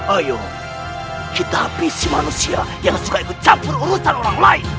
ayo kita habisi manusia yang suka ikut campur urusan orang lain